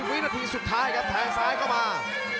วินาทีสุดท้ายครับแทงซ้ายเข้ามา